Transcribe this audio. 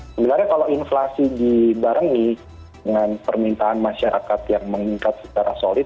sebenarnya kalau inflasi dibarengi dengan permintaan masyarakat yang meningkat secara solid